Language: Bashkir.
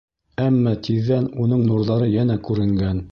Әммә тиҙҙән уның нурҙары йәнә күренгән.